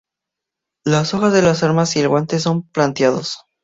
Las hojas de las armas y el guante son plateados.